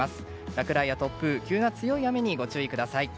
落雷や突風急な強い雨にご注意ください。